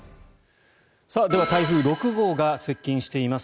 台風６号が接近しています